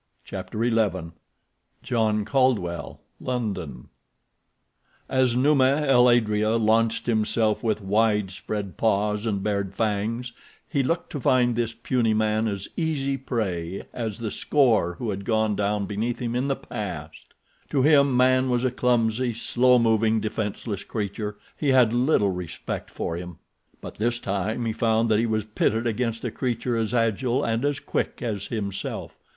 Chapter XI John Caldwell, London As Numa el adrea launched himself with widespread paws and bared fangs he looked to find this puny man as easy prey as the score who had gone down beneath him in the past. To him man was a clumsy, slow moving, defenseless creature—he had little respect for him. But this time he found that he was pitted against a creature as agile and as quick as himself.